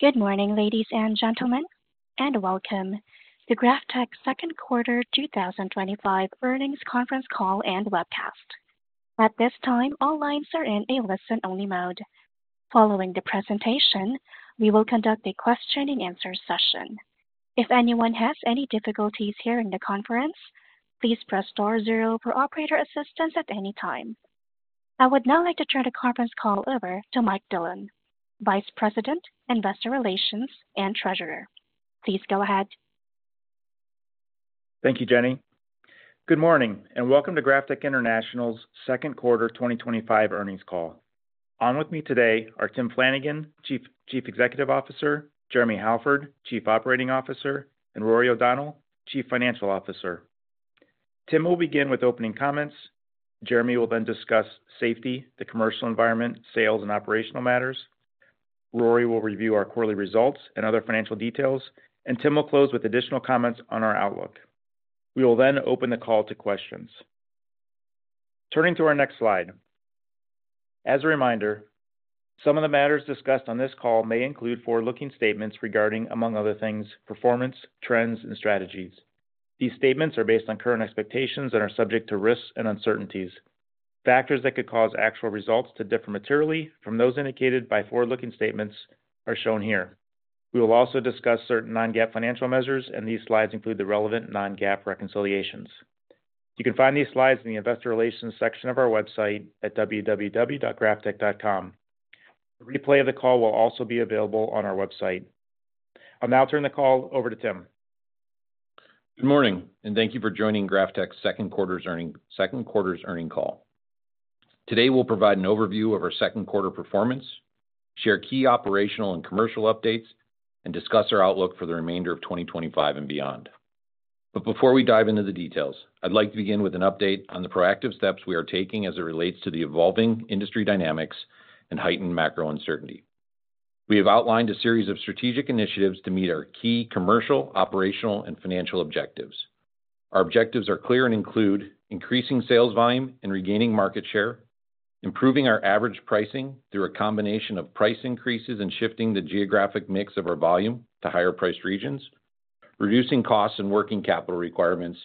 Good morning, ladies and gentlemen, and welcome to GrafTech's second quarter 2025 earnings conference call and webcast. At this time, all lines are in a listen-only mode. Following the presentation, we will conduct a question-and-answer session. If anyone has any difficulties hearing the conference, please press *0 for operator assistance at any time. I would now like to turn the conference call over to Michael Dillon, Vice President, Investor Relations, and Treasurer. Please go ahead. Thank you, Jenny. Good morning and welcome to GrafTech International's second quarter 2025 earnings call. On with me today are Tim Flanagan, Chief Executive Officer, Jeremy Halford, Chief Operating Officer, and Rory O’Donnell, Chief Financial Officer. Tim will begin with opening comments. Jeremy will then discuss safety, the commercial environment, sales, and operational matters. Rory will review our quarterly results and other financial details, and Tim will close with additional comments on our outlook. We will then open the call to questions. Turning to our next slide. As a reminder, some of the matters discussed on this call may include forward-looking statements regarding, among other things, performance, trends, and strategies. These statements are based on current expectations and are subject to risks and uncertainties. Factors that could cause actual results to differ materially from those indicated by forward-looking statements are shown here. We will also discuss certain non-GAAP financial measures, and these slides include the relevant non-GAAP reconciliations. You can find these slides in the Investor Relations section of our website at www.graftech.com. A replay of the call will also be available on our website. I'll now turn the call over to Tim. Good morning, and thank you for joining GrafTech's second quarter earnings call. Today, we'll provide an overview of our second quarter performance, share key operational and commercial updates, and discuss our outlook for the remainder of 2025 and beyond. Before we dive into the details, I'd like to begin with an update on the proactive steps we are taking as it relates to the evolving industry dynamics and heightened macro uncertainty. We have outlined a series of strategic initiatives to meet our key commercial, operational, and financial objectives. Our objectives are clear and include increasing sales volume and regaining market share, improving our average pricing through a combination of price increases and shifting the geographic mix of our volume to higher priced regions, reducing costs and working capital requirements,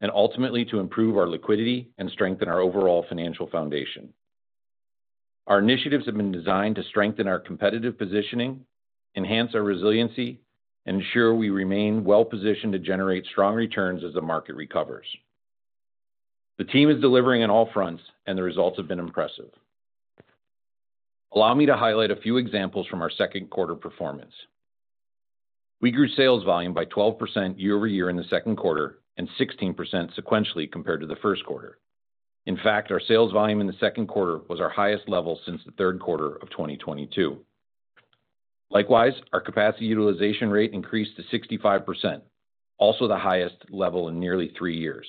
and ultimately to improve our liquidity and strengthen our overall financial foundation. Our initiatives have been designed to strengthen our competitive positioning, enhance our resiliency, and ensure we remain well-positioned to generate strong returns as the market recovers. The team is delivering on all fronts, and the results have been impressive. Allow me to highlight a few examples from our second quarter performance. We grew sales volume by 12% year-over-year in the second quarter and 16% sequentially compared to the first quarter. In fact, our sales volume in the second quarter was our highest level since the third quarter of 2022. Likewise, our capacity utilization rate increased to 65%, also the highest level in nearly three years.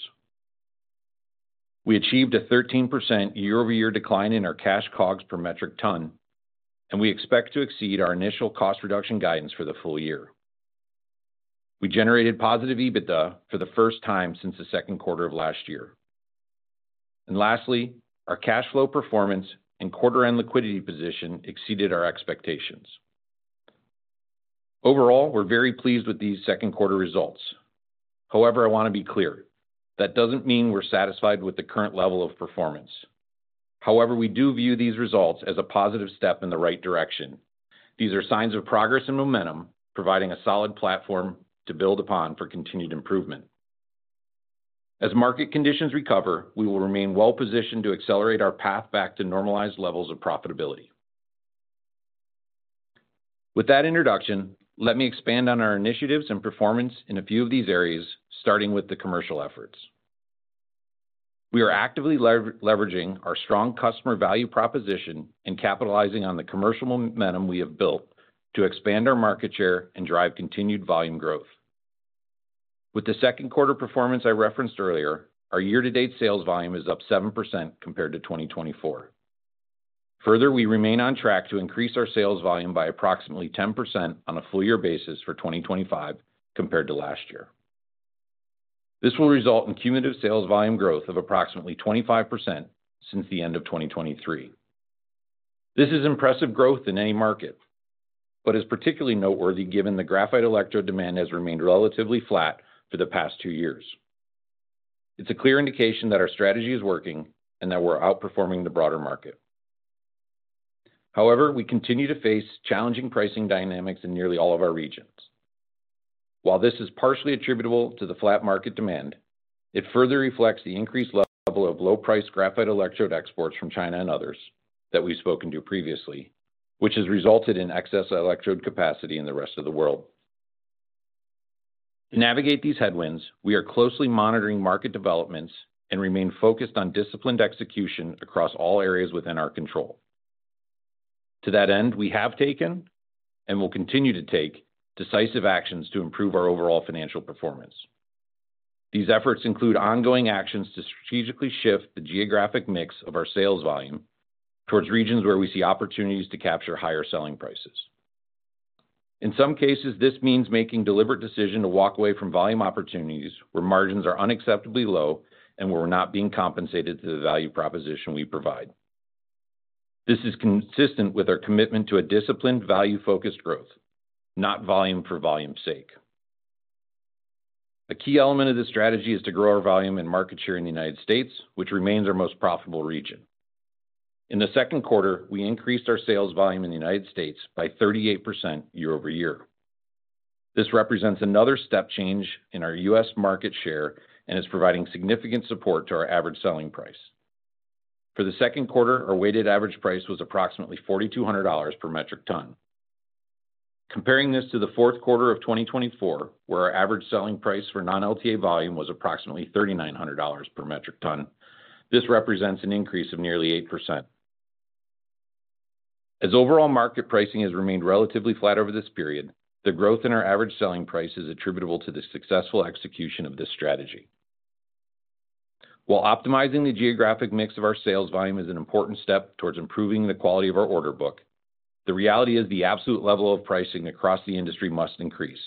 We achieved a 13% year-over-year decline in our Cash COGS per metric ton, and we expect to exceed our initial cost reduction guidance for the full year. We generated positive EBITDA for the first time since the second quarter of last year. Lastly, our cash flow performance and quarter-end liquidity position exceeded our expectations. Overall, we're very pleased with these second quarter results. However, I want to be clear that doesn't mean we're satisfied with the current level of performance. We do view these results as a positive step in the right direction. These are signs of progress and momentum, providing a solid platform to build upon for continued improvement. As market conditions recover, we will remain well-positioned to accelerate our path back to normalized levels of profitability. With that introduction, let me expand on our initiatives and performance in a few of these areas, starting with the commercial efforts. We are actively leveraging our strong customer value proposition and capitalizing on the commercial momentum we have built to expand our market share and drive continued volume growth. With the second quarter performance I referenced earlier, our year-to-date sales volume is up 7% compared to 2024. Further, we remain on track to increase our sales volume by approximately 10% on a full-year basis for 2025 compared to last year. This will result in cumulative sales volume growth of approximately 25% since the end of 2023. This is impressive growth in any market, but is particularly noteworthy given the Graphite electrode demand has remained relatively flat for the past two years. It's a clear indication that our strategy is working and that we're outperforming the broader market. However, we continue to face challenging pricing dynamics in nearly all of our regions. While this is partially attributable to the flat market demand, it further reflects the increased level of low-priced Graphite electrode exports from China and others that we've spoken to previously, which has resulted in excess electrode capacity in the rest of the world. To navigate these headwinds, we are closely monitoring market developments and remain focused on disciplined execution across all areas within our control. To that end, we have taken and will continue to take decisive actions to improve our overall financial performance. These efforts include ongoing actions to strategically shift the geographic mix of our sales volume towards regions where we see opportunities to capture higher selling prices. In some cases, this means making a deliberate decision to walk away from volume opportunities where margins are unacceptably low and where we're not being compensated for the value proposition we provide. This is consistent with our commitment to a disciplined, value-focused growth, not volume for volume's sake. A key element of this strategy is to grow our volume and market share in the United States, which remains our most profitable region. In the second quarter, we increased our sales volume in the United States by 38% year-over-year. This represents another step change in our U.S. market share and is providing significant support to our average selling price. For the second quarter, our weighted average price was approximately $4,200 per metric ton. Comparing this to the fourth quarter of 2024, where our average selling price for non-LTA volume was approximately $3,900 per metric ton, this represents an increase of nearly 8%. As overall market pricing has remained relatively flat over this period, the growth in our average selling price is attributable to the successful execution of this strategy. While optimizing the geographic mix of our sales volume is an important step towards improving the quality of our order book, the reality is the absolute level of pricing across the industry must increase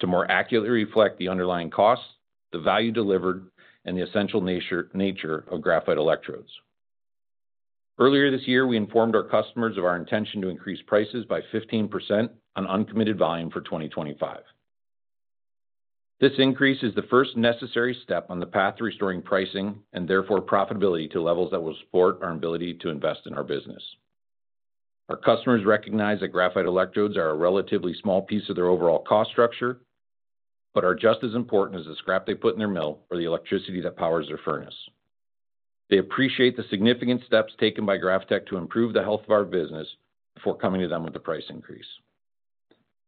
to more accurately reflect the underlying costs, the value delivered, and the essential nature of Graphite electrodes. Earlier this year, we informed our customers of our intention to increase prices by 15% on uncommitted volume for 2025. This increase is the first necessary step on the path to restoring pricing and therefore profitability to levels that will support our ability to invest in our business. Our customers recognize that Graphite electrodes are a relatively small piece of their overall cost structure, but are just as important as the scrap they put in their mill or the electricity that powers their furnace. They appreciate the significant steps taken by GrafTech to improve the health of our business before coming to them with a price increase.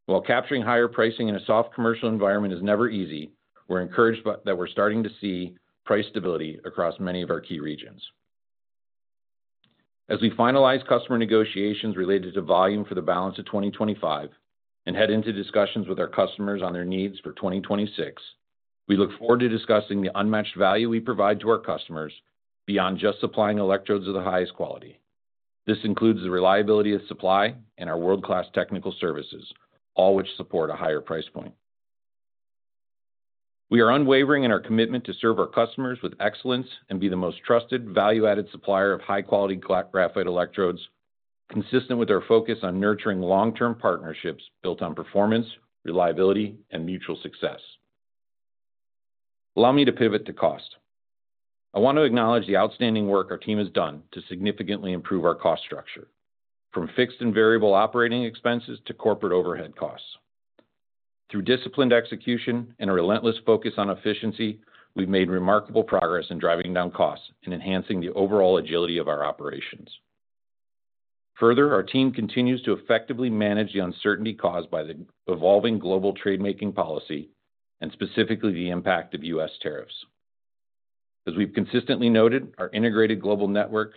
While capturing higher pricing in a soft commercial environment is never easy, we're encouraged that we're starting to see price stability across many of our key regions. As we finalize customer negotiations related to volume for the balance of 2025 and head into discussions with our customers on their needs for 2026, we look forward to discussing the unmatched value we provide to our customers beyond just supplying electrodes of the highest quality. This includes the reliability of supply and our world-class technical services, all which support a higher price point. We are unwavering in our commitment to serve our customers with excellence and be the most trusted, value-added supplier of high-quality Graphite electrodes, consistent with our focus on nurturing long-term partnerships built on performance, reliability, and mutual success. Allow me to pivot to cost. I want to acknowledge the outstanding work our team has done to significantly improve our cost structure, from fixed and variable operating expenses to corporate overhead costs. Through disciplined execution and a relentless focus on efficiency, we've made remarkable progress in driving down costs and enhancing the overall agility of our operations. Further, our team continues to effectively manage the uncertainty caused by the evolving global trade-making policy and specifically the impact of U.S. tariffs. As we've consistently noted, our integrated global network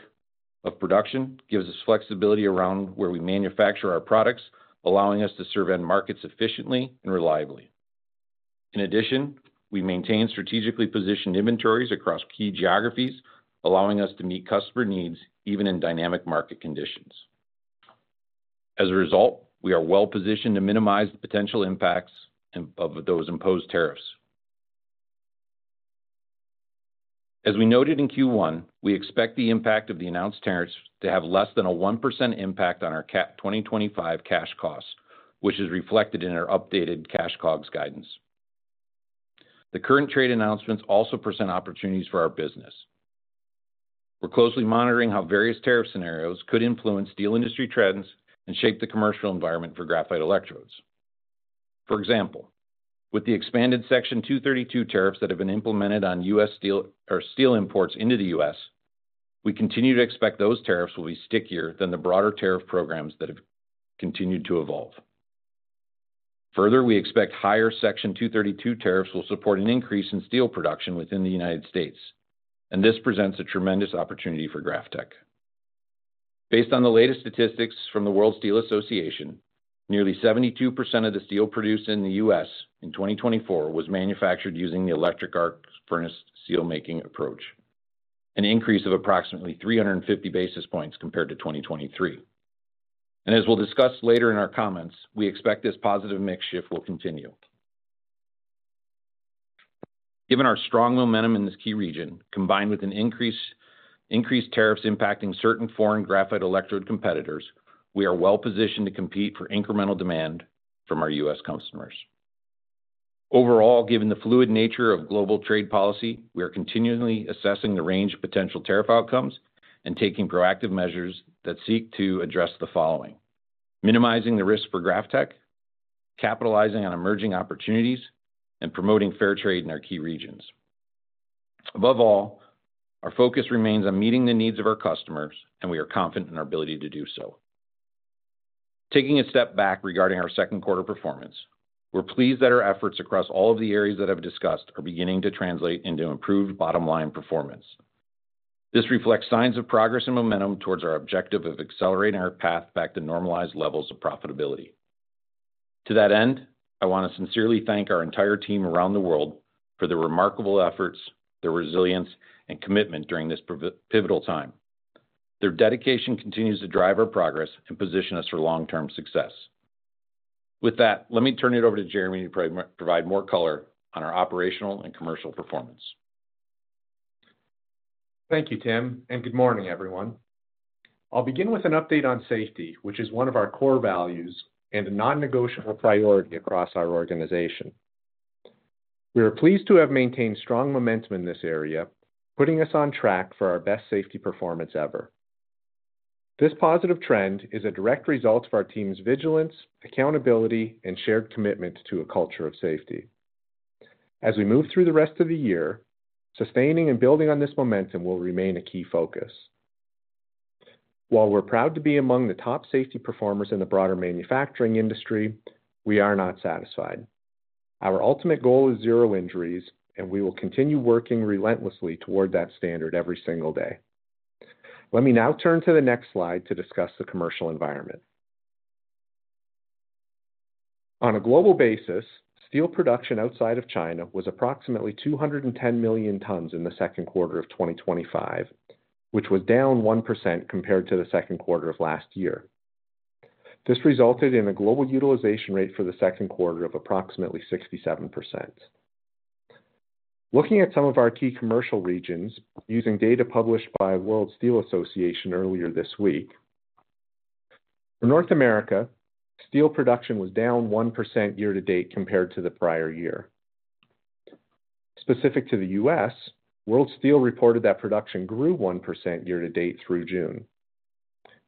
of production gives us flexibility around where we manufacture our products, allowing us to serve end markets efficiently and reliably. In addition, we maintain strategically positioned inventories across key geographies, allowing us to meet customer needs even in dynamic market conditions. As a result, we are well-positioned to minimize the potential impacts of those imposed tariffs. As we noted in Q1, we expect the impact of the announced tariffs to have less than a 1% impact on our 2025 cash costs, which is reflected in our updated Cash COGS guidance. The current trade announcements also present opportunities for our business. We're closely monitoring how various tariff scenarios could influence steel industry trends and shape the commercial environment for Graphite electrodes. For example, with the expanded Section 232 tariffs that have been implemented on U.S. steel imports into the U.S., we continue to expect those tariffs will be stickier than the broader tariff programs that have continued to evolve. Further, we expect higher Section 232 tariffs will support an increase in steel production within the United States, and this presents a tremendous opportunity for GrafTech. Based on the latest statistics from the World Steel Association, nearly 72% of the steel produced in the U.S. in 2024 was manufactured using the electric arc furnace steelmaking approach, an increase of approximately 350 basis points compared to 2023. As we'll discuss later in our comments, we expect this positive mix shift will continue. Given our strong momentum in this key region, combined with increased tariffs impacting certain foreign Graphite electrode competitors, we are well-positioned to compete for incremental demand from our U.S. customers. Overall, given the fluid nature of global trade policy, we are continually assessing the range of potential tariff outcomes and taking proactive measures that seek to address the following: minimizing the risk for GrafTech, capitalizing on emerging opportunities, and promoting fair trade in our key regions. Above all, our focus remains on meeting the needs of our customers, and we are confident in our ability to do so. Taking a step back regarding our second quarter performance, we're pleased that our efforts across all of the areas that I've discussed are beginning to translate into improved bottom-line performance. This reflects signs of progress and momentum towards our objective of accelerating our path back to normalized levels of profitability. To that end, I want to sincerely thank our entire team around the world for their remarkable efforts, their resilience, and commitment during this pivotal time. Their dedication continues to drive our progress and position us for long-term success. With that, let me turn it over to Jeremy to provide more color on our operational and commercial performance. Thank you, Tim, and good morning, everyone. I'll begin with an update on safety, which is one of our core values and a non-negotiable priority across our organization. We are pleased to have maintained strong momentum in this area, putting us on track for our best safety performance ever. This positive trend is a direct result of our team's vigilance, accountability, and shared commitment to a culture of safety. As we move through the rest of the year, sustaining and building on this momentum will remain a key focus. While we're proud to be among the top safety performers in the broader manufacturing industry, we are not satisfied. Our ultimate goal is zero injuries, and we will continue working relentlessly toward that standard every single day. Let me now turn to the next slide to discuss the commercial environment. On a global basis, steel production outside of China was approximately 210 million tons in the second quarter of 2025, which was down 1% compared to the second quarter of last year. This resulted in a global utilization rate for the second quarter of approximately 67%. Looking at some of our key commercial regions, using data published by the World Steel Association earlier this week, for North America, steel production was down 1% year-to-date compared to the prior year. Specific to the U.S., World Steel reported that production grew 1% year-to-date through June.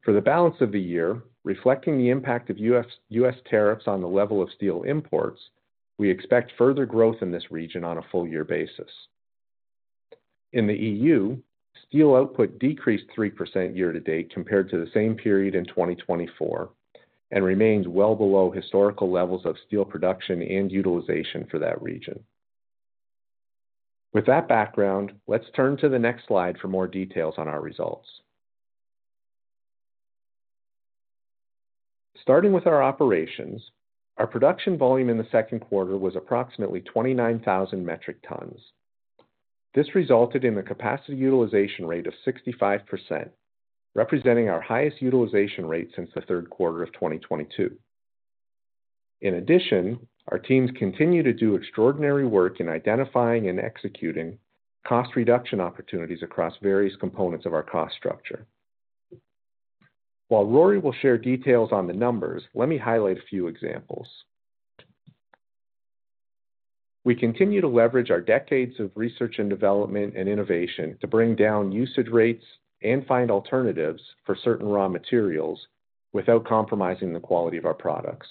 For the balance of the year, reflecting the impact of U.S. tariffs on the level of steel imports, we expect further growth in this region on a full-year basis. In the EU, steel output decreased 3% year-to-date compared to the same period in 2024 and remains well below historical levels of steel production and utilization for that region. With that background, let's turn to the next slide for more details on our results. Starting with our operations, our production volume in the second quarter was approximately 29,000 metric tons. This resulted in a capacity utilization rate of 65%, representing our highest utilization rate since the third quarter of 2022. In addition, our teams continue to do extraordinary work in identifying and executing cost reduction opportunities across various components of our cost structure. While Rory will share details on the numbers, let me highlight a few examples. We continue to leverage our decades of research and development and innovation to bring down usage rates and find alternatives for certain raw materials without compromising the quality of our products.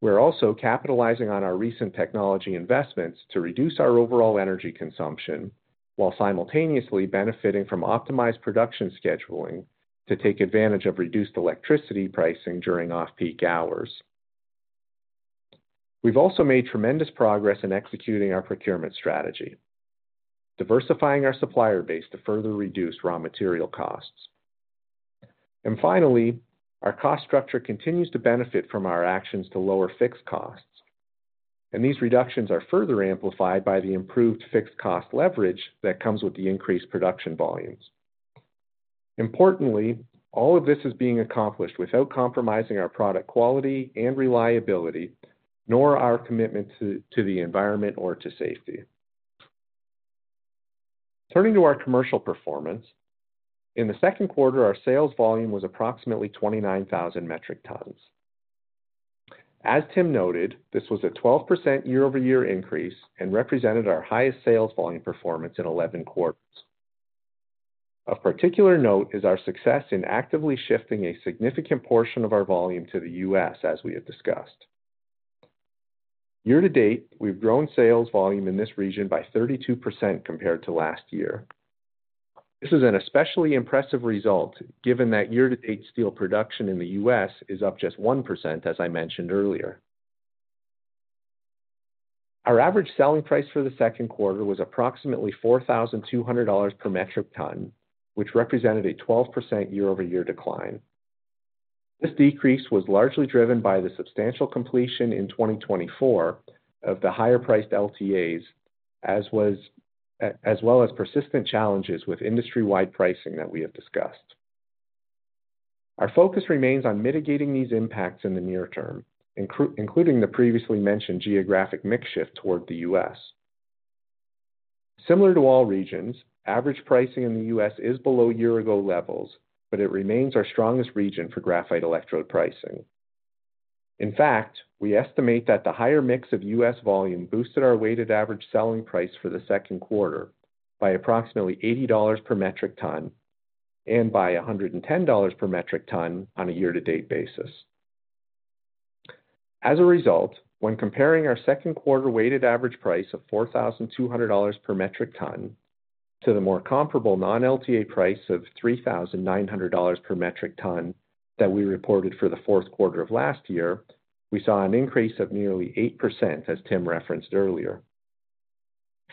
We're also capitalizing on our recent technology investments to reduce our overall energy consumption while simultaneously benefiting from optimized production scheduling to take advantage of reduced electricity pricing during off-peak hours. We've also made tremendous progress in executing our procurement strategy, diversifying our supplier base to further reduce raw material costs. Finally, our cost structure continues to benefit from our actions to lower fixed costs, and these reductions are further amplified by the improved fixed cost leverage that comes with the increased production volumes. Importantly, all of this is being accomplished without compromising our product quality and reliability, nor our commitment to the environment or to safety. Turning to our commercial performance, in the second quarter, our sales volume was approximately 29,000 metric tons. As Tim noted, this was a 12% year-over-year increase and represented our highest sales volume performance in 11 quarters. Of particular note is our success in actively shifting a significant portion of our volume to the U.S., as we have discussed. Year-to-date, we've grown sales volume in this region by 32% compared to last year. This is an especially impressive result, given that year-to-date steel production in the U.S. is up just 1%, as I mentioned earlier. Our average selling price for the second quarter was approximately $4,200 per metric ton, which represented a 12% year-over-year decline. This decrease was largely driven by the substantial completion in 2024 of the higher-priced LTAs, as well as persistent challenges with industry-wide pricing that we have discussed. Our focus remains on mitigating these impacts in the near-term, including the previously mentioned geographic mix shift toward the U.S. Similar to all regions, average pricing in the U.S. is below year-ago levels, but it remains our strongest region for Graphite electrode pricing. In fact, we estimate that the higher mix of U.S. volume boosted our weighted average selling price for the second quarter by approximately $80 per metric ton and by $110 per metric ton on a year-to-date basis. As a result, when comparing our second quarter weighted average price of $4,200 per metric ton to the more comparable non-LTA price of $3,900 per metric ton that we reported for the fourth quarter of last year, we saw an increase of nearly 8%, as Tim referenced earlier.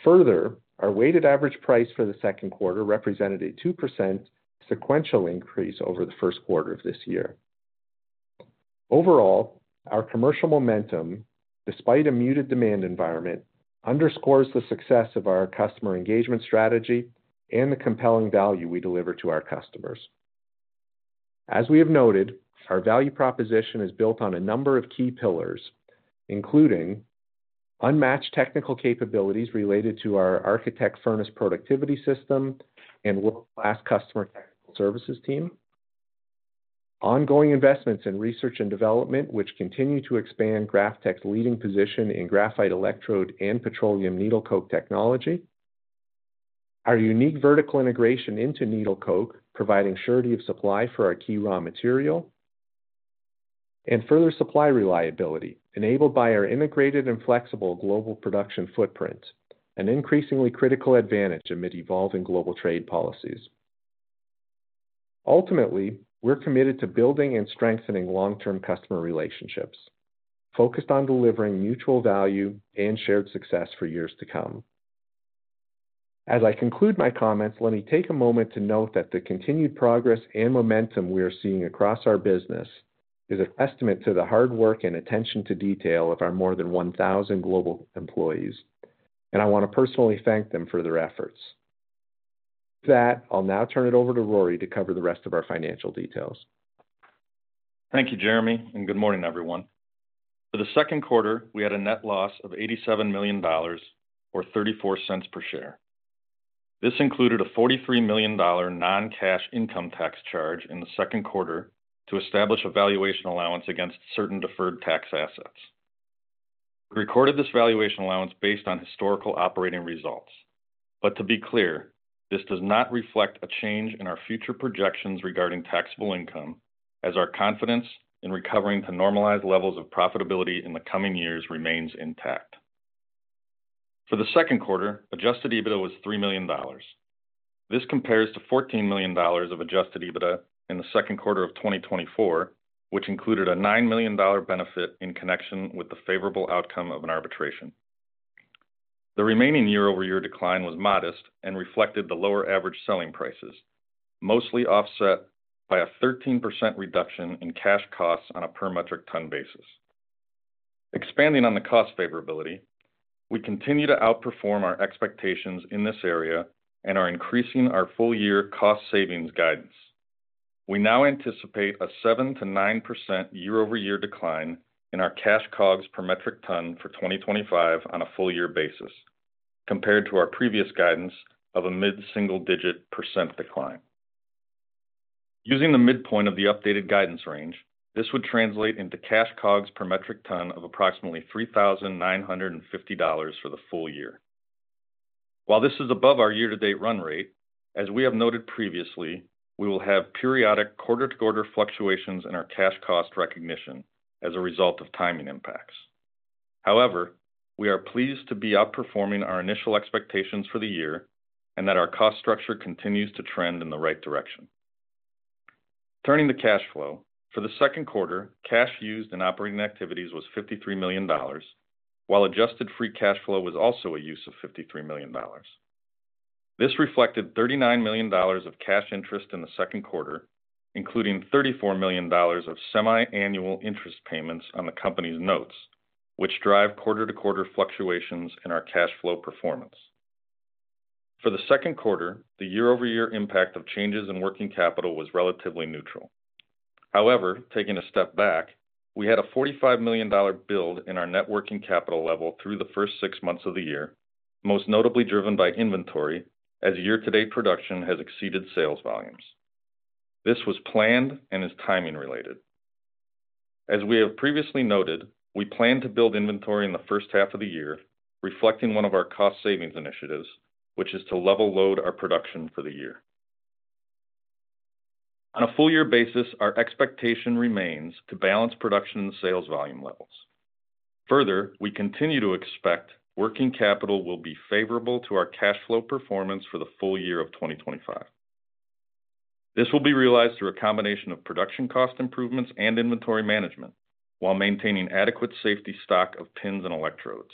Further, our weighted average price for the second quarter represented a 2% sequential increase over the first quarter of this year. Overall, our commercial momentum, despite a muted demand environment, underscores the success of our customer engagement strategy and the compelling value we deliver to our customers. As we have noted, our value proposition is built on a number of key pillars, including unmatched technical capabilities related to our Architect furnace productivity system and world-class customer tech services team, ongoing investments in research and development, which continue to expand GrafTech's leading position in Graphite electrode and Petroleum needle coke technology, our unique vertical integration into needle coke, providing surety of supply for our key raw material, and further supply reliability enabled by our integrated and flexible global production footprint, an increasingly critical advantage amid evolving global trade policies. Ultimately, we're committed to building and strengthening long-term customer relationships, focused on delivering mutual value and shared success for years to come. As I conclude my comments, let me take a moment to note that the continued progress and momentum we are seeing across our business is a testament to the hard work and attention to detail of our more than 1,000 global employees, and I want to personally thank them for their efforts. With that, I'll now turn it over to Rory to cover the rest of our financial details. Thank you, Jeremy, and good morning, everyone. For the second quarter, we had a net loss of $87 million or $0.34 per share. This included a $43 million non-cash income tax charge in the second quarter to establish a Valuation allowance against certain deferred tax assets. We recorded this Valuation allowance based on historical operating results, but to be clear, this does not reflect a change in our future projections regarding taxable income, as our confidence in recovering to normalized levels of profitability in the coming years remains intact. For the second quarter, Adjusted EBITDA was $3 million. This compares to $14 million of Adjusted EBITDA in the second quarter of 2024, which included a $9 million benefit in connection with the favorable outcome of an arbitration. The remaining year-over-year decline was modest and reflected the lower average selling prices, mostly offset by a 13% reduction in cash costs on a per metric ton basis. Expanding on the cost favorability, we continue to outperform our expectations in this area and are increasing our full-year cost savings guidance. We now anticipate a 7%-9% year-over-year decline in our Cash COGS per metric ton for 2025 on a full-year basis, compared to our previous guidance of a mid-single-digit percent decline. Using the midpoint of the updated guidance range, this would translate into Cash COGS per metric ton of approximately $3,950 for the full year. While this is above our year-to-date run rate, as we have noted previously, we will have periodic quarter-to-quarter fluctuations in our cash cost recognition as a result of timing impacts. However, we are pleased to be outperforming our initial expectations for the year and that our cost structure continues to trend in the right direction. Turning to cash flow, for the second quarter, cash used in operating activities was $53 million, while adjusted free cash flow was also a use of $53 million. This reflected $39 million of cash interest in the second quarter, including $34 million of semi-annual interest payments on the company's notes, which drive quarter-to-quarter fluctuations in our cash flow performance. For the second quarter, the year-over-year impact of changes in working capital was relatively neutral. However, taking a step back, we had a $45 million build in our net working capital level through the first six months of the year, most notably driven by inventory, as year-to-date production has exceeded sales volumes. This was planned and is timing related. As we have previously noted, we plan to build inventory in the first half of the year, reflecting one of our cost savings initiatives, which is to level-load our production for the year. On a full-year basis, our expectation remains to balance production and sales volume levels. Further, we continue to expect working capital will be favorable to our cash flow performance for the full year of 2025. This will be realized through a combination of production cost improvements and inventory management, while maintaining adequate safety stock of pins and electrodes.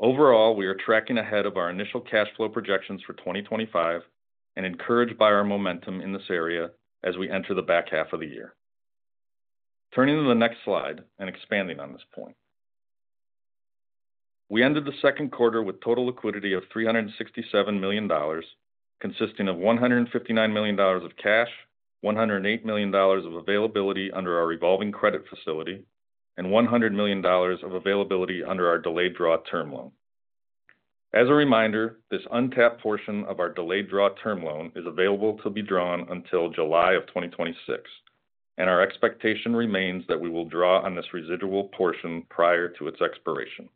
Overall, we are tracking ahead of our initial cash flow projections for 2025 and encouraged by our momentum in this area as we enter the back half of the year. Turning to the next slide and expanding on this point, we ended the second quarter with total liquidity of $367 million, consisting of $159 million of cash, $108 million of availability under our revolving credit facility, and $100 million of availability under our Delayed draw term loan. As a reminder, this untapped portion of our Delayed draw term loan is available to be drawn until July of 2026, and our expectation remains that we will draw on this residual portion prior to its expiration.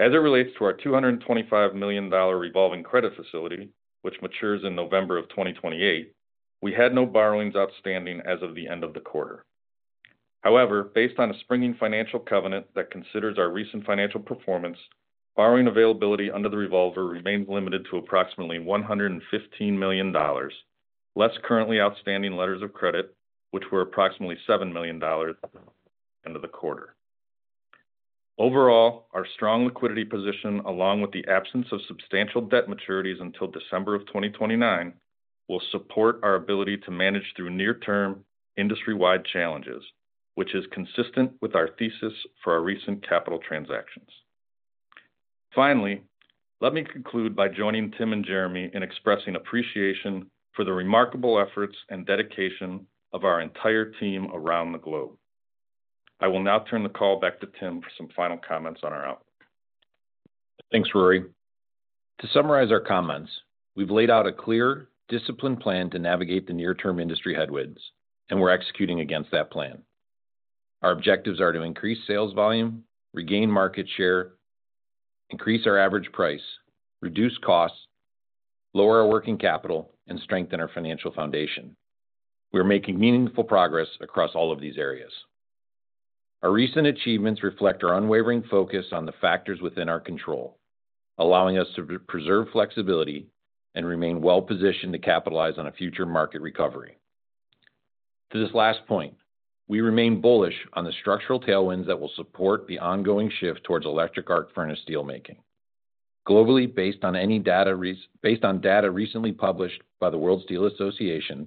As it relates to our $225 million revolving credit facility, which matures in November of 2028, we had no borrowings outstanding as of the end of the quarter. However, based on a springing financial covenant that considers our recent financial performance, borrowing availability under the revolver remains limited to approximately $115 million, less currently outstanding letters of credit, which were approximately $7 million at the end of the quarter. Overall, our strong liquidity position, along with the absence of substantial debt maturities until December of 2029, will support our ability to manage through near-term industry-wide challenges, which is consistent with our thesis for our recent capital transactions. Finally, let me conclude by joining Tim and Jeremy in expressing appreciation for the remarkable efforts and dedication of our entire team around the globe. I will now turn the call back to Tim for some final comments on our outlook. Thanks, Rory. To summarize our comments, we've laid out a clear, disciplined plan to navigate the near-term industry headwinds, and we're executing against that plan. Our objectives are to increase sales volume, regain market share, increase our average price, reduce costs, lower our working capital, and strengthen our financial foundation. We are making meaningful progress across all of these areas. Our recent achievements reflect our unwavering focus on the factors within our control, allowing us to preserve flexibility and remain well-positioned to capitalize on a future market recovery. To this last point, we remain bullish on the structural tailwinds that will support the ongoing shift towards electric arc furnace steelmaking. Globally, based on data recently published by the World Steel Association,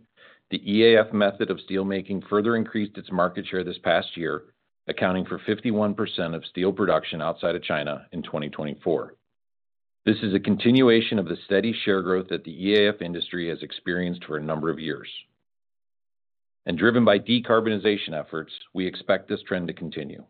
the EAF method of steelmaking further increased its market share this past year, accounting for 51% of steel production outside of China in 2024. This is a continuation of the steady share growth that the EAF industry has experienced for a number of years. Driven by decarbonization efforts, we expect this trend to continue.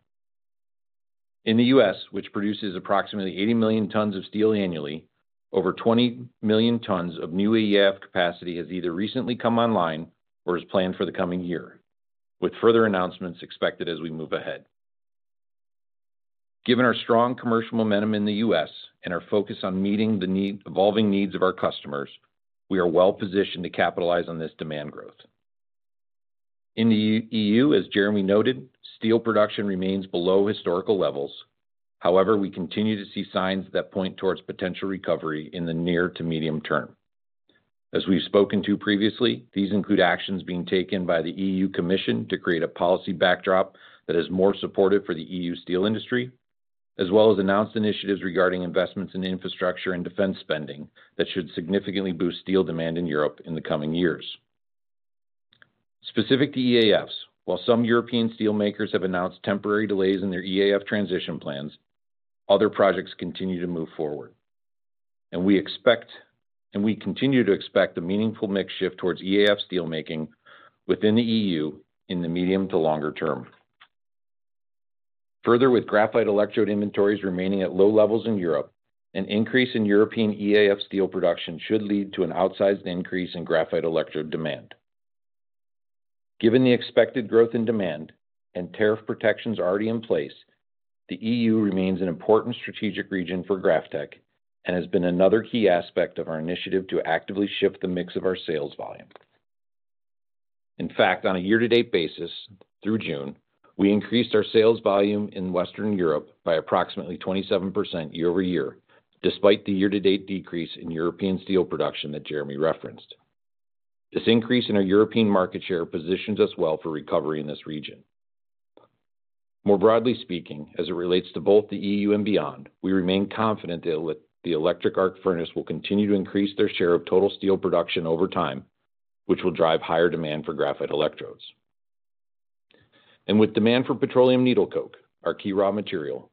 In the U.S., which produces approximately 80 million tons of steel annually, over 20 million tons of new EAF capacity has either recently come online or is planned for the coming year, with further announcements expected as we move ahead. Given our strong commercial momentum in the U.S. and our focus on meeting the evolving needs of our customers, we are well-positioned to capitalize on this demand growth. In the EU, as Jeremy noted, steel production remains below historical levels. However, we continue to see signs that point towards potential recovery in the near- to medium-term. As we've spoken to previously, these include actions being taken by the EU Commission to create a policy backdrop that is more supportive for the EU steel industry, as well as announced initiatives regarding investments in infrastructure and defense spending that should significantly boost steel demand in Europe in the coming years. Specific to EAFs, while some European steelmakers have announced temporary delays in their EAF transition plans, other projects continue to move forward. We continue to expect a meaningful mix shift towards EAF steelmaking within the EU in the medium- to longer-term. Further, with Graphite electrode inventories remaining at low levels in Europe, an increase in European EAF steel production should lead to an outsized increase in Graphite electrode demand. Given the expected growth in demand and tariff protections already in place, the EU remains an important strategic region for GrafTech and has been another key aspect of our initiative to actively shift the mix of our sales volume. In fact, on a year-to-date basis through June, we increased our sales volume in Western Europe by approximately 27% year-over-year, despite the year-to-date decrease in European steel production that Jeremy referenced. This increase in our European market share positions us well for recovery in this region. More broadly speaking, as it relates to both the EU and beyond, we remain confident that the electric arc furnace will continue to increase their share of total steel production over time, which will drive higher demand for Graphite electrodes. With demand for Petroleum needle coke, our key raw material,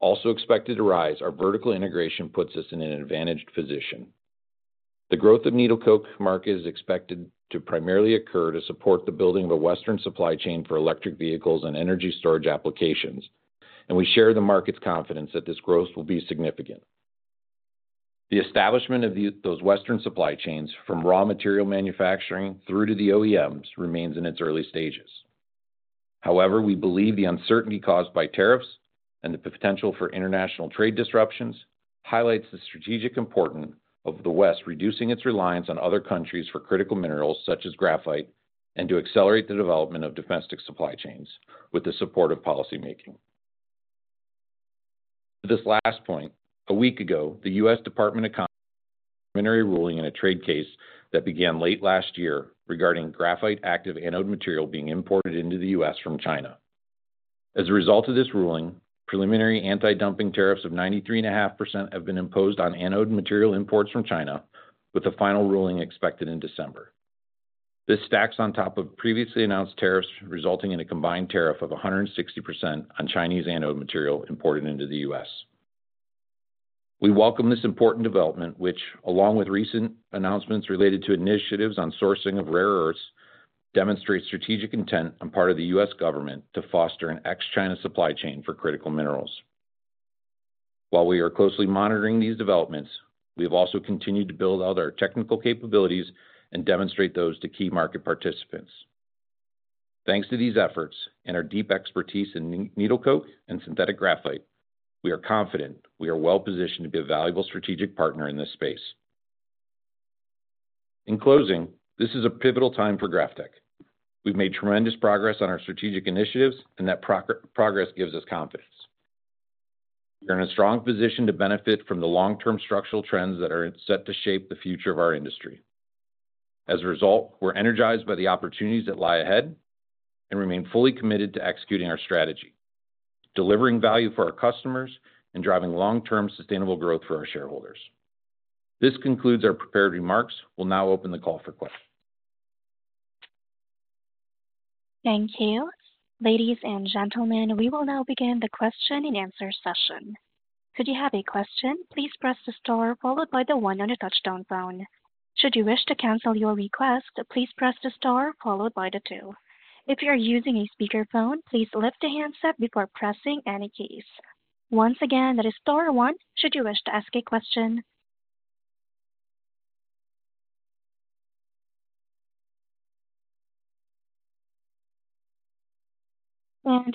also expected to rise, our vertical integration puts us in an advantaged position. The growth of needle coke market is expected to primarily occur to support the building of a Western supply chain for electric vehicles and energy storage applications, and we share the market's confidence that this growth will be significant. The establishment of those Western supply chains from raw material manufacturing through to the OEMs remains in its early stages. However, we believe the uncertainty caused by tariffs and the potential for international trade disruptions highlights the strategic importance of the West reducing its reliance on other countries for critical minerals such as graphite and to accelerate the development of domestic supply chains with the support of policymaking. To this last point, a week ago, the U.S. Department of Commerce ruled in a trade case that began late last year regarding graphite-active anode material being imported into the U.S. from China. As a result of this ruling, preliminary anti-dumping tariffs of 93.5% have been imposed on anode material imports from China, with the final ruling expected in December. This stacks on top of previously announced tariffs, resulting in a combined tariff of 160% on Chinese anode material imported into the U.S. We welcome this important development, which, along with recent announcements related to initiatives on sourcing of rare earths, demonstrates strategic intent on the part of the U.S. government to foster an ex-China supply chain for critical minerals. While we are closely monitoring these developments, we have also continued to build out our technical capabilities and demonstrate those to key market participants. Thanks to these efforts and our deep expertise in needle coke and synthetic graphite, we are confident we are well-positioned to be a valuable strategic partner in this space. In closing, this is a pivotal time for GrafTech. We've made tremendous progress on our strategic initiatives, and that progress gives us confidence. We are in a strong position to benefit from the long-term structural trends that are set to shape the future of our industry. As a result, we're energized by the opportunities that lie ahead and remain fully committed to executing our strategy, delivering value for our customers, and driving long-term sustainable growth for our shareholders. This concludes our prepared remarks. We'll now open the call for questions. Thank you. Ladies and gentlemen, we will now begin the question-and answer session. Should you have a question, please press the star followed by the one on the touch-tone phone. Should you wish to cancel your request, please press the star followed by the two. If you are using a speakerphone, please lift the handset before pressing any keys. Once again, that is star one should you wish to ask a question.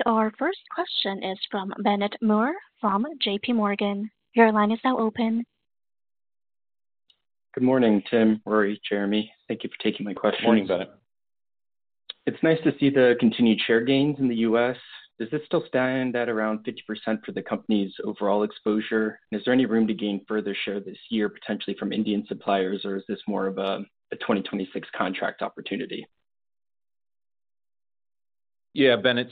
Our first question is from Bennett Moore from JPMorgan. Your line is now open. Good morning, Tim, Rory, Jeremy. Thank you for taking my question. Morning, Bennett. It's nice to see the continued share gains in the U.S. Does this still stand at around 50% for the company's overall exposure? Is there any room to gain further share this year, potentially from Indian suppliers, or is this more of a 2026 contract opportunity? Yeah, Bennett,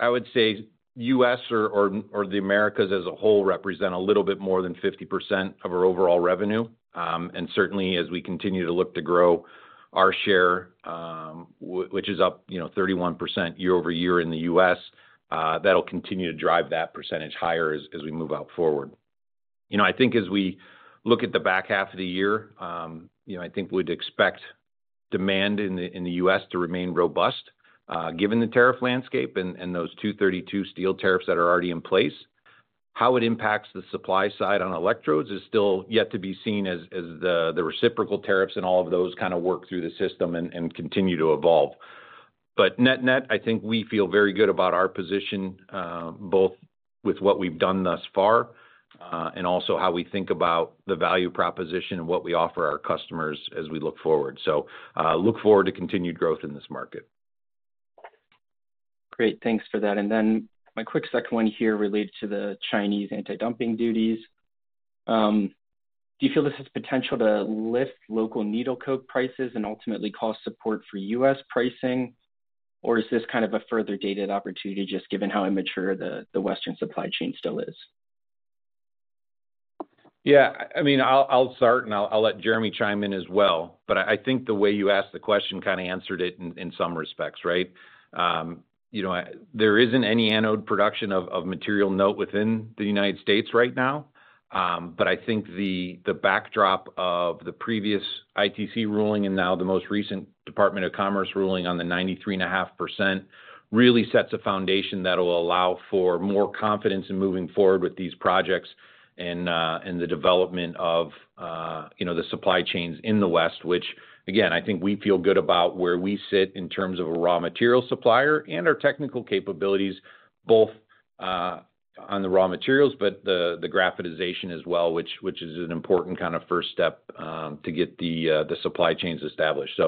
I would say the U.S. or the Americas as a whole represent a little bit more than 50% of our overall revenue. Certainly, as we continue to look to grow our share, which is up 31% year-over-year in the U.S., that'll continue to drive that percentage higher as we move forward. I think as we look at the back half of the year, we'd expect demand in the U.S. to remain robust, given the tariff landscape and those 232 steel tariffs that are already in place. How it impacts the supply side on electrodes is still yet to be seen as the reciprocal tariffs and all of those kind of work through the system and continue to evolve. Net-net, I think we feel very good about our position, both with what we've done thus far and also how we think about the value proposition and what we offer our customers as we look forward. I look forward to continued growth in this market. Great, thanks for that. My quick second one here relates to the Chinese anti-dumping duties. Do you feel this has potential to lift local needle coke prices and ultimately cost support for U.S. pricing? Or is this kind of a further dated opportunity, just given how immature the Western supply chain still is? Yeah, I mean, I'll start and I'll let Jeremy chime in as well. I think the way you asked the question kind of answered it in some respects, right? There isn't any anode production of material note within the U.S. right now. I think the backdrop of the previous ITC ruling and now the most recent Department of Commerce ruling on the 93.5% really sets a foundation that will allow for more confidence in moving forward with these projects and the development of the supply chains in the West, which again, I think we feel good about where we sit in terms of a raw material supplier and our technical capabilities, both on the raw materials, but the graphitization as well, which is an important kind of first step to get the supply chains established.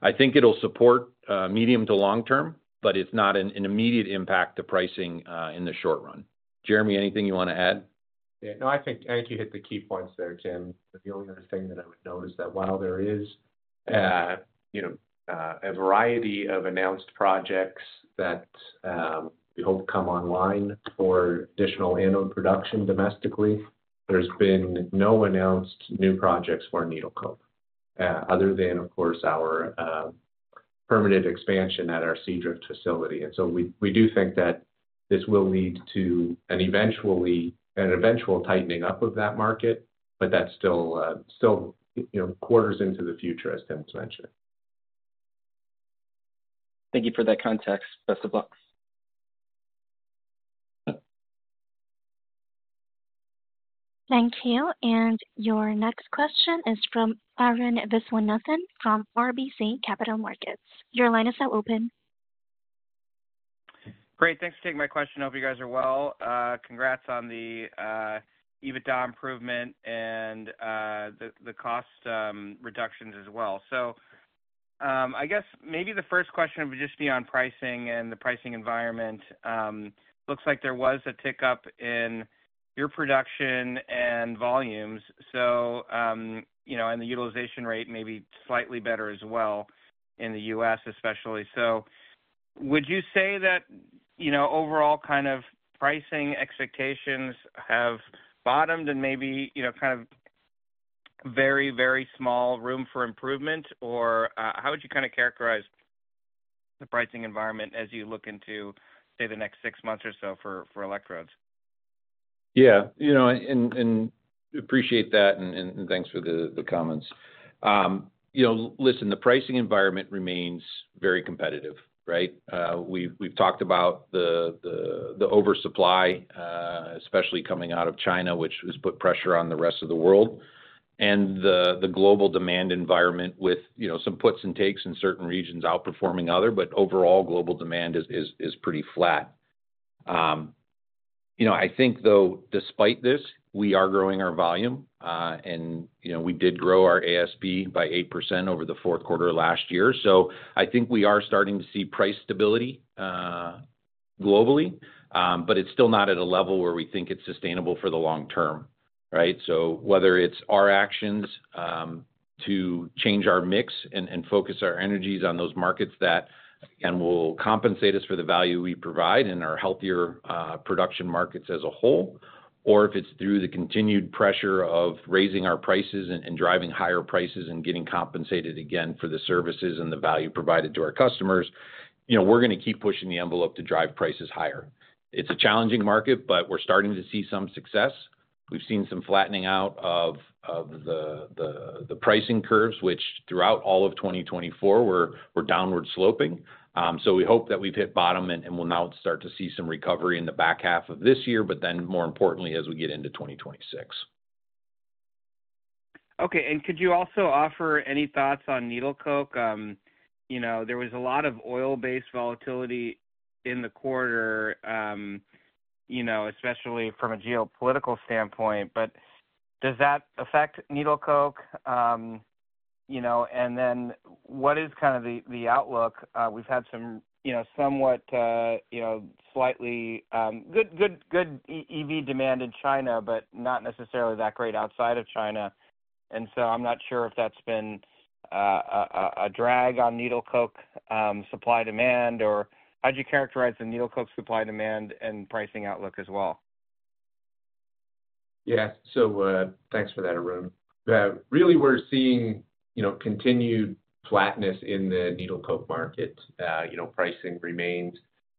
I think it'll support medium to long term, but it's not an immediate impact to pricing in the short run. Jeremy, anything you want to add? Yeah, no, I think you hit the key points there, Tim. The only other thing that I would note is that while there is a variety of announced projects that will come online for additional anode production domestically, there's been no announced new projects for Petroleum needle coke, other than, of course, our permanent expansion at our Sea Drift facility. We do think that this will lead to an eventual tightening up of that market, but that is still quarters into the future, as Tim's mentioned. Thank you for that context. Best of luck. Thank you. Your next question is from Arun Viswanathan from RBC Capital Markets. Your line is now open. Great, thanks for taking my question. Hope you guys are well. Congrats on the EBITDA improvement and the cost reductions as well. I guess maybe the first question would just be on pricing and the pricing environment. Looks like there was a tick up in your production and volumes. You know, the utilization rate may be slightly better as well in the U.S. especially. Would you say that, you know, overall kind of pricing expectations have bottomed and maybe, you know, kind of very, very small room for improvement? How would you kind of characterize the pricing environment as you look into, say, the next six months or so for electrodes? Yeah, you know, and appreciate that and thanks for the comments. You know, listen, the pricing environment remains very competitive, right? We've talked about the oversupply, especially coming out of China, which has put pressure on the rest of the world. The global demand environment with some puts and takes in certain regions outperforming others, but overall global demand is pretty flat. I think though, despite this, we are growing our volume and we did grow our ASP by 8% over the fourth quarter of last year. I think we are starting to see price stability globally, but it's still not at a level where we think it's sustainable for the long-term, right? Whether it's our actions to change our mix and focus our energies on those markets that will compensate us for the value we provide in our healthier production markets as a whole, or if it's through the continued pressure of raising our prices and driving higher prices and getting compensated again for the services and the value provided to our customers, we're going to keep pushing the envelope to drive prices higher. It's a challenging market, but we're starting to see some success. We've seen some flattening out of the pricing curves, which throughout all of 2024 were downward sloping. We hope that we've hit bottom and we'll now start to see some recovery in the back half of this year, but then more importantly, as we get into 2026. Okay, could you also offer any thoughts on needle coke? There was a lot of oil-based volatility in the quarter, especially from a geopolitical standpoint. Does that affect needle coke? What is kind of the outlook? We've had some slightly good EV demand in China, but not necessarily that great outside of China. I'm not sure if that's been a drag on needle coke supply demand, or how you'd characterize the needle coke supply demand and pricing outlook as well? Yeah, so thanks for that, Arun. Really, we're seeing continued flatness in the needle coke market. Pricing remains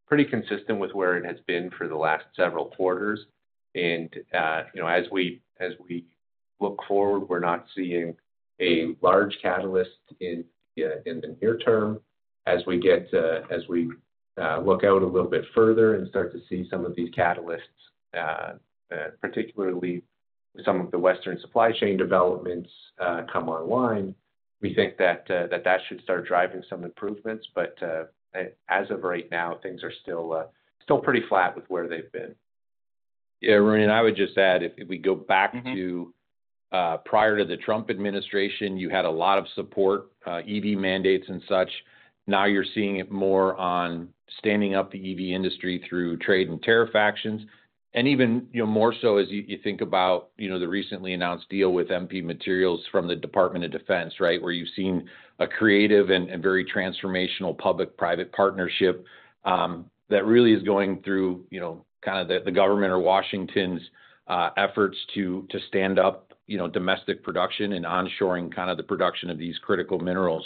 pretty consistent with where it has been for the last several quarters. As we look forward, we're not seeing a large catalyst in the near-term. As we look out a little bit further and start to see some of these catalysts, particularly some of the Western supply chain developments come online, we think that should start driving some improvements. As of right now, things are still pretty flat with where they've been. Yeah, Arun, and I would just add, if we go back to prior to the Trump administration, you had a lot of support, EV mandates and such. Now you're seeing it more on standing up the EV industry through trade and tariff actions. Even more so as you think about the recently announced deal with MP Materials from the Department of Defense, where you've seen a creative and very transformational public-private partnership that really is going through the government or Washington's efforts to stand up domestic production and onshoring the production of these critical minerals.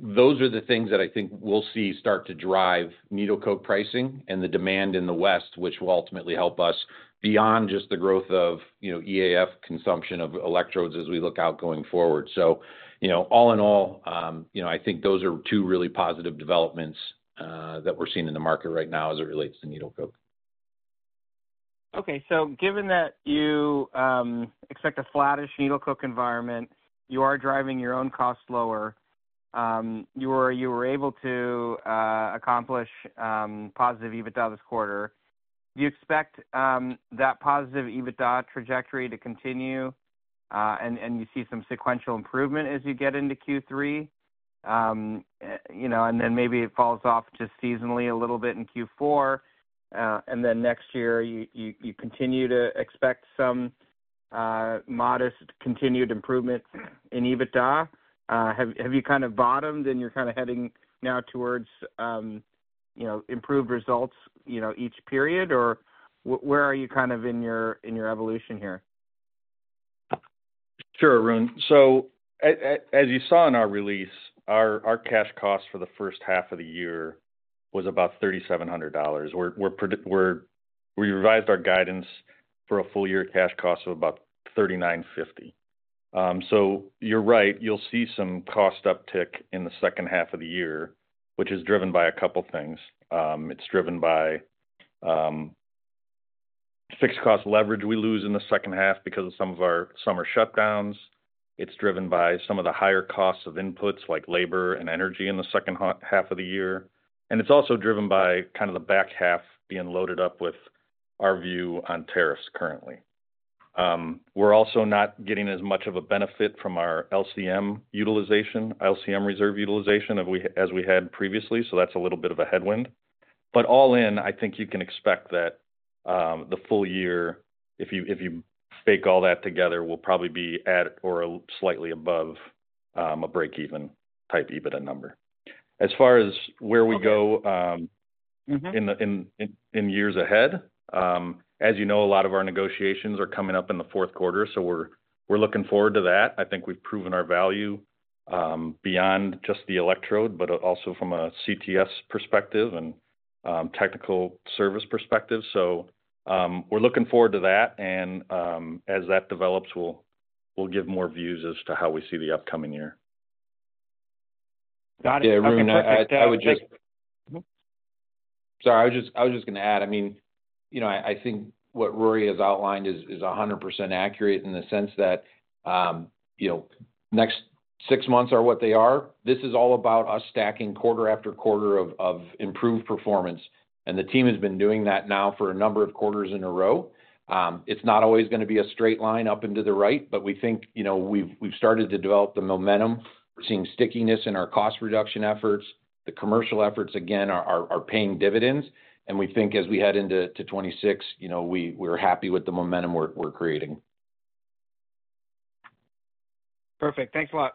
Those are the things that I think we'll see start to drive needle coke pricing and the demand in the West, which will ultimately help us beyond just the growth of EAF consumption of electrodes as we look out going forward. All in all, I think those are two really positive developments that we're seeing in the market right now as it relates to needle coke. Okay, so given that you expect a flattish needle coke environment, you are driving your own costs lower. You were able to accomplish positive EBITDA this quarter. Do you expect that positive EBITDA trajectory to continue, and you see some sequential improvement as you get into Q3? Maybe it falls off just seasonally a little bit in Q4. Next year, you continue to expect some modest continued improvement in EBITDA. Have you kind of bottomed and you're kind of heading now towards improved results each period? Where are you kind of in your evolution here? Sure, Arun. As you saw in our release, our cash cost for the first half of the year was about $3,700. We revised our guidance for a full year cash cost of about $3,950. You're right, you'll see some cost uptick in the second half of the year, which is driven by a couple of things. It's driven by fixed cost leverage we lose in the second half because of some of our summer shutdowns. It's driven by some of the higher costs of inputs like labor and energy in the second half of the year. It's also driven by the back half being loaded up with our view on tariffs currently. We're also not getting as much of a benefit from our LCM reserve utilization as we had previously. That's a little bit of a headwind. All in, I think you can expect that the full year, if you take all that together, will probably be at or slightly above a break-even type EBITDA number. As far as where we go in the years ahead, as you know, a lot of our negotiations are coming up in the fourth quarter. We're looking forward to that. I think we've proven our value beyond just the electrode, but also from a CTS perspective and technical service perspective. We're looking forward to that, and as that develops, we'll give more views as to how we see the upcoming year. Got it. I mean, I would just add, I mean, you know, I think what Rory has outlined is 100% accurate in the sense that, you know, next six months are what they are. This is all about us stacking quarter after quarter of improved performance. The team has been doing that now for a number of quarters in a row. It's not always going to be a straight line up into the right, but we think, you know, we've started to develop the momentum, seeing stickiness in our cost reduction efforts. The commercial efforts, again, are paying dividends. We think as we head into 2026, you know, we're happy with the momentum we're creating. Perfect. Thanks a lot.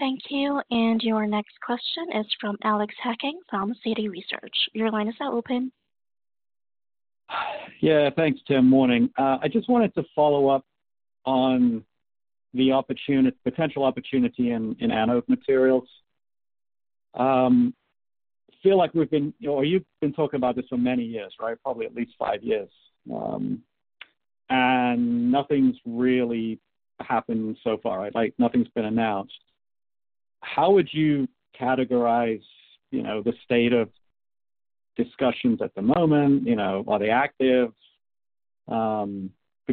Thank you. Your next question is from Alex Hacking from Citi. Your line is now open. Yeah, thanks, Tim. Morning. I just wanted to follow up on the potential opportunity in anode material. I feel like we've been, or you've been talking about this for many years, right? Probably at least five years. Nothing's really happened so far, right? Nothing's been announced. How would you categorize the state of discussions at the moment? Are they active?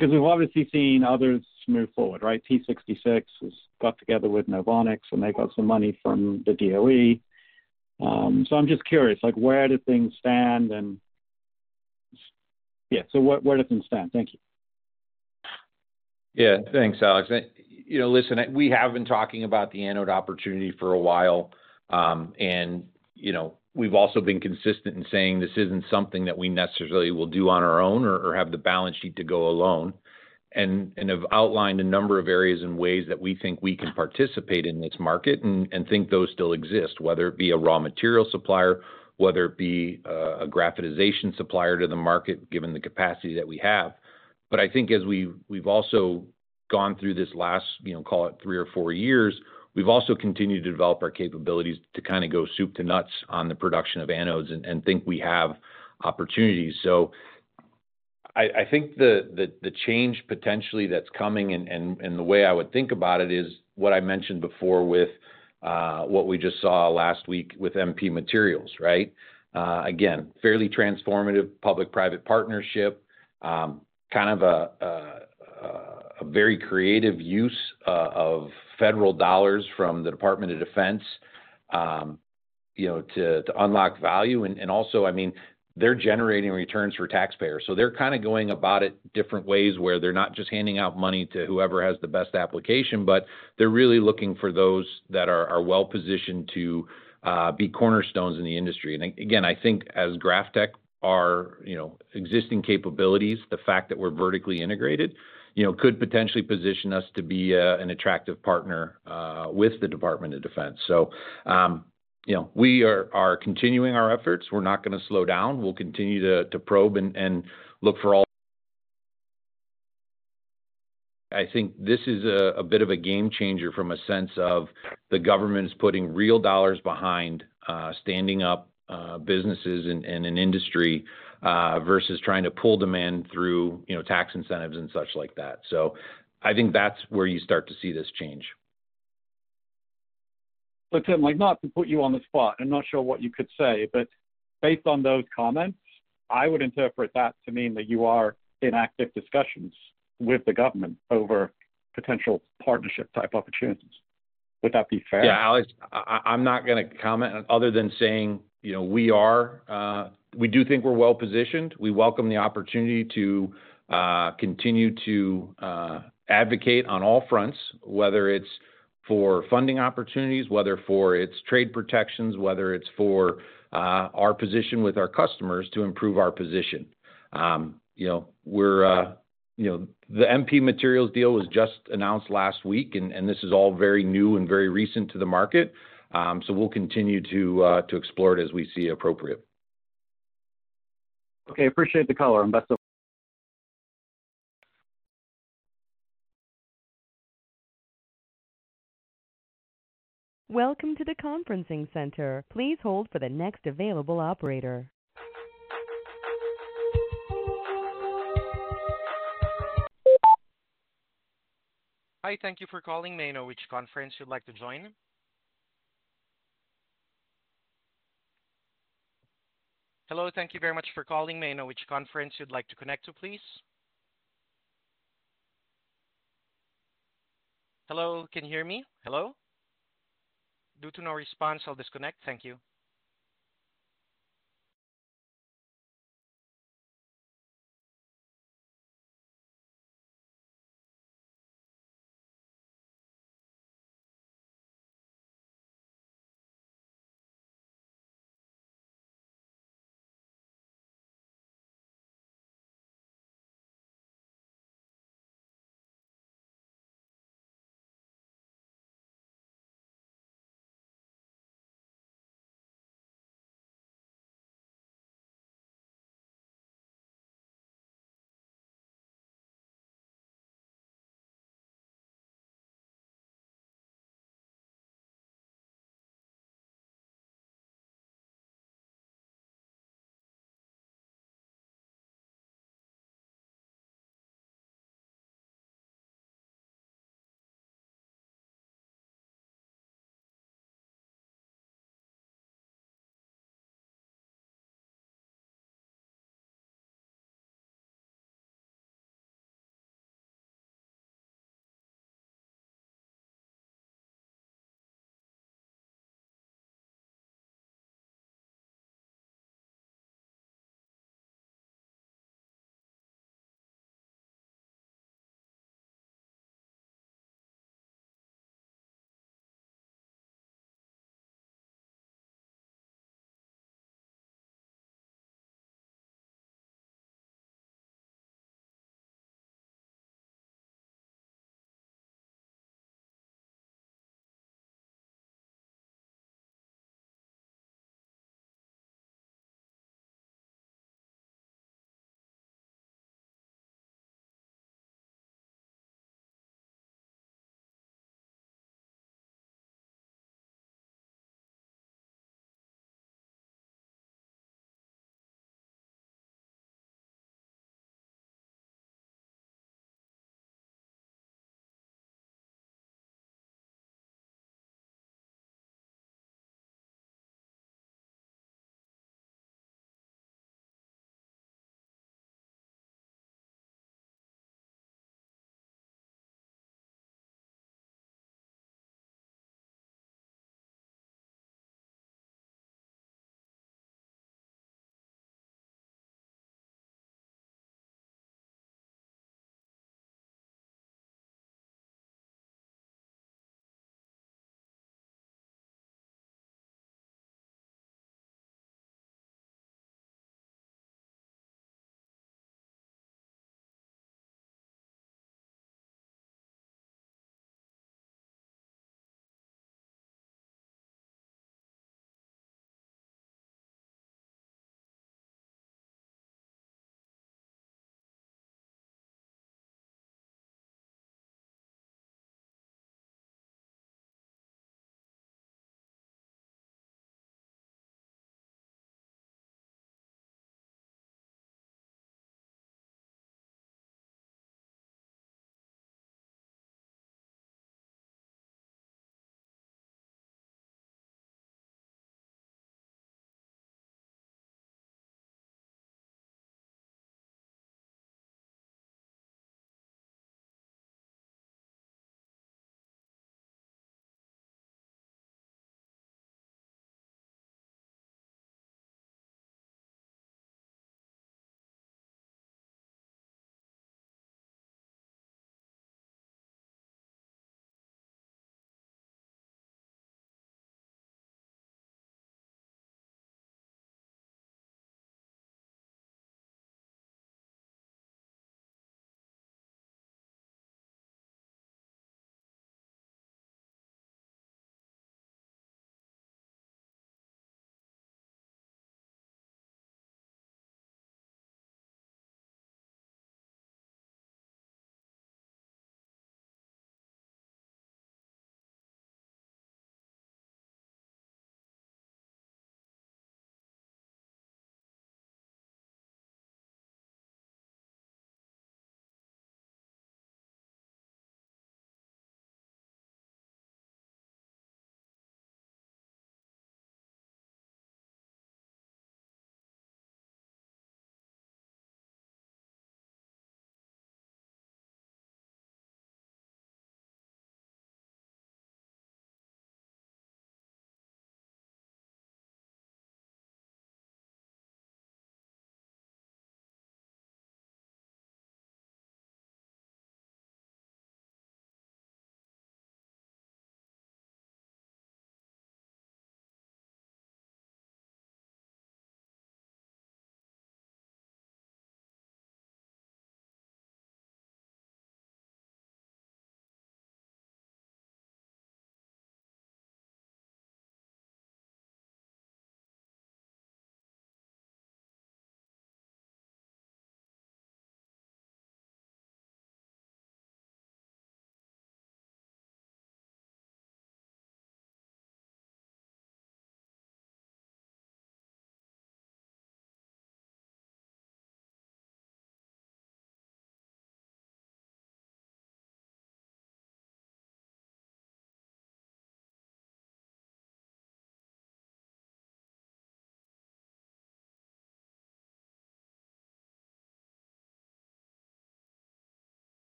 We've obviously seen others move forward, right? T66 has got together with Novonix, and they've got some money from the DOE. I'm just curious, where do things stand? Thank you. Yeah, thanks, Alex. You know, we have been talking about the anode opportunity for a while. You know, we've also been consistent in saying this isn't something that we necessarily will do on our own or have the balance sheet to go alone. I've outlined a number of areas and ways that we think we can participate in this market and think those still exist, whether it be a raw material supplier, whether it be a graphitization supplier to the market, given the capacity that we have. I think as we've also gone through this last, you know, call it three or four years, we've also continued to develop our capabilities to kind of go soup to nuts on the production of anodes and think we have opportunities. I think the change potentially that's coming and the way I would think about it is what I mentioned before with what we just saw last week with MP Materials, right? Again, fairly transformative public-private partnership, kind of a very creative use of federal dollars from the Department of Defense to unlock value. Also, I mean, they're generating returns for taxpayers. They're kind of going about it different ways where they're not just handing out money to whoever has the best application, but they're really looking for those that are well-positioned to be cornerstones in the industry. Again, I think as GrafTech, our existing capabilities, the fact that we're vertically integrated, could potentially position us to be an attractive partner with the Department of Defense. We are continuing our efforts. We're not going to slow down. We'll continue to probe and look for all. I think this is a bit of a game changer from a sense of the government's putting real dollars behind standing up businesses in an industry versus trying to pull demand through tax incentives and such like that. I think that's where you start to see this change. Tim, not to put you on the spot, I'm not sure what you could say, but based on those comments, I would interpret that to mean that you are in active discussions with the government over potential partnership type opportunities. Would that be fair? Yeah, Alex, I'm not going to comment other than saying we do think we're well positioned. We welcome the opportunity to continue to advocate on all fronts, whether it's for funding opportunities, whether it's for trade protections, whether it's for our position with our customers to improve our position. The MP Materials deal was just announced last week, and this is all very new and very recent to the market. We'll continue to explore it as we see appropriate. Okay, appreciate the call, Arun. Best of luck. Welcome to the conferencing center. Please hold for the next available operator. Hi, thank you for calling. May I know which conference you'd like to join? Hello, thank you very much for calling. May I know which conference you'd like to connect to, please? Hello, can you hear me? Hello? Due to no response, I'll disconnect. Thank you.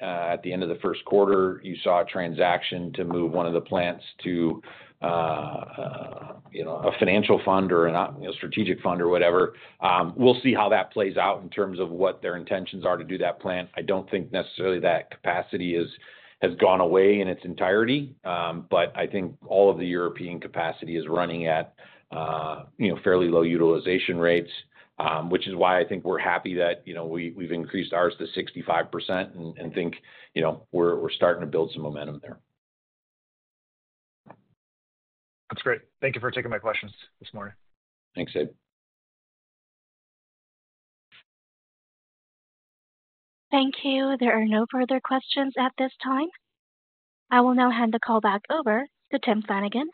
At the end of the first quarter, you saw a transaction to move one of the plants to a financial fund or a strategic fund or whatever. We'll see how that plays out in terms of what their intentions are to do that plant. I don't think necessarily that capacity has gone away in its entirety, but I think all of the European capacity is running at fairly low utilization rates, which is why I think we're happy that we've increased ours to 65% and think we're starting to build some momentum there. That's great. Thank you for taking my questions this morning. Thanks, Abe. Thank you. There are no further questions at this time. I will now hand the call back over to Tim Flanagan,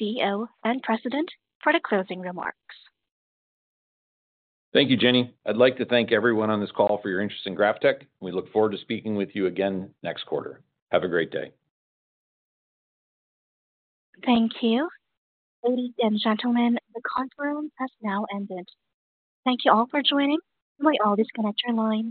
CEO and President, for the closing remarks. Thank you, Jenny. I'd like to thank everyone on this call for your interest in GrafTech. We look forward to speaking with you again next quarter. Have a great day. Thank you. Ladies and gentlemen, the conference has now ended. Thank you all for joining. We'll disconnect your line.